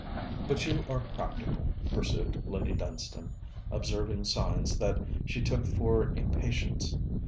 'But you are practical,' pursued Lady Dunstane, observing signs that she took for impatience.